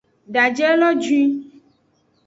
Daje lo juin.